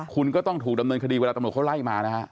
คุณก็ต้องถูกดำเนินคดีเวลาตำรวจเขาไล่มานะฮะ